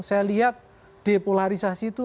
saya lihat depolarisasi itu